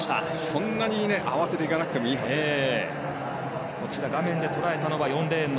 そんなに慌てていかなくてもいいはずです。